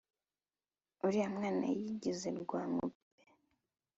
uriya mwana yigize rwankubebe